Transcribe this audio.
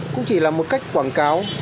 cũng chỉ là một cách quảng cáo